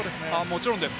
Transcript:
もちろんです。